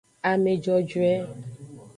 Ame jojoe.